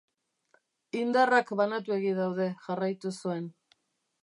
Indarrak banatuegi daude jarraitu zuen.